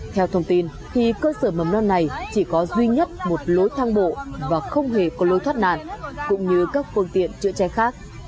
theo thông tin thì cơ sở mầm non này chỉ có duy nhất một lối thang bộ và không hề có lối thoát nạn cũng như các phương tiện chữa cháy khác